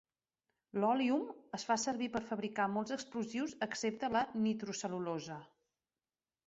L'òleum es fa servir per fabricar molts explosius excepte la nitrocel·lulosa.